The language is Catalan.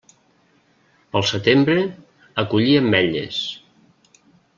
Pel setembre, a collir ametlles.